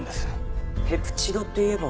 ペプチドといえば。